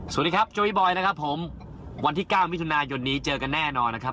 สวัสดีครับจุ้ยบอยนะครับผมวันที่เก้ามิถุนายนนี้เจอกันแน่นอนนะครับ